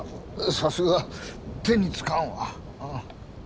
さすが手につかんわ。